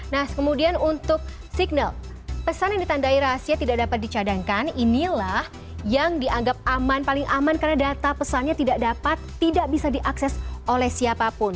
nah kemudian untuk signal pesan yang ditandai rahasia tidak dapat dicadangkan inilah yang dianggap aman paling aman karena data pesannya tidak dapat tidak bisa diakses oleh siapapun